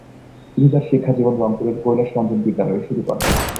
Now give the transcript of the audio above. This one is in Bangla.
তিনি তার শিক্ষা জীবন রংপুরের কৈলাস রঞ্জন বিদ্যালয়ে শুরু করেন।